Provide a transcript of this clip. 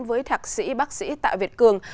với thạc sĩ bác sĩ tạ việt cường